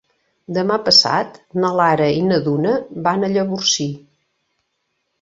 Demà passat na Lara i na Duna van a Llavorsí.